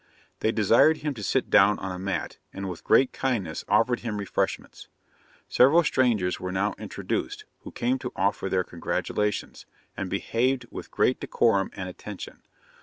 They desired him to sit down on a mat, and with great kindness offered him refreshments. Several strangers were now introduced, who came to offer their congratulations, and behaved with great decorum and attention.